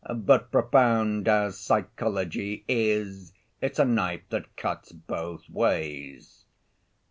But profound as psychology is, it's a knife that cuts both ways."